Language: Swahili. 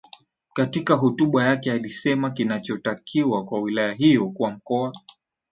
Katika hotuba yake alisema kinachotakiwa kwa wilaya hiyo kuwa mkoa